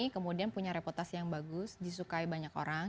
kemudian punya reputasi yang bagus disukai banyak orang